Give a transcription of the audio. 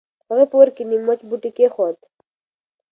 هغې په اور کې نيم وچ بوټی کېښود.